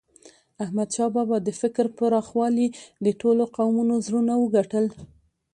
احمدشاه بابا د فکر پراخوالي د ټولو قومونو زړونه وګټل.